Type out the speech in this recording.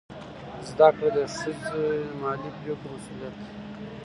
زده کړه ښځه د مالي پریکړو مسؤلیت لري.